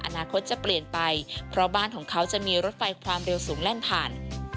อนาคตจะเปลี่ยนไปเพราะบ้านของเขาจะมีรถไฟความเร็วสูงแล่นผ่าน